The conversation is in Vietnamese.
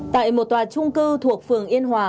tại một tòa trung cư thuộc phường yên hòa